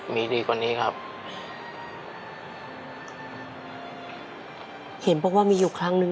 พี่ก็ต้องเป็นภาระของน้องของแม่อีกอย่างหนึ่ง